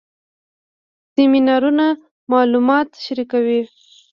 سیمینارونه معلومات شریکوي